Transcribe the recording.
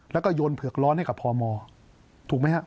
แล้วก็โยนเผือกร้อนให้กับพมถูกไหมฮะ